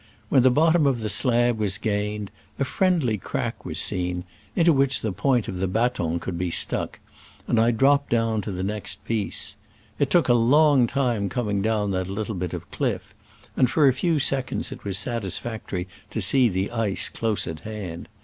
When the bot tom of the slab was gained a friendly crack was seen, into which the point of the baton could be stuck, and I dropped down to the next piece. It took a long time coming down that little bit of cliff, and for a few seconds it was satisfactory to see the ice close at hand.